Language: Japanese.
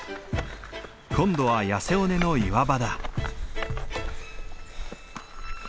今度はヤセ尾根の岩場だ。